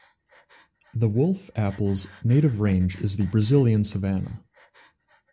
The wolf apple's native range is the Brazilian savannah.